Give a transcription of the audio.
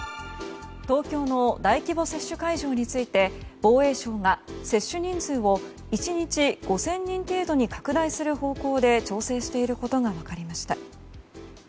東京の大規模接種会場について防衛省が接種人数を１日５０００人程度に拡大する方向で調整していることが分かりました。